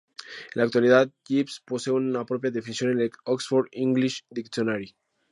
En la actualidad "Jeeves" posee su propia definición en el "Oxford English Dictionary".